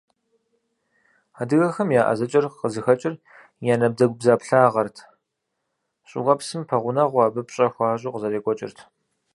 Адыгэхэм я ӀэзэкӀэр къызыхэкӀыр я набдзэгубдзаплъагъэрт, щӀыуэпсым пэгъунэгъуу, абы пщӀэ хуащӀу къызэрекӀуэкӀырт.